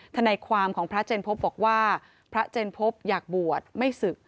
ทนายความของพระเจนพบบอกว่าพระเจนพบอยากบวชไม่ศึก